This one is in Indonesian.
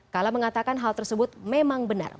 kala mengatakan hal tersebut memang benar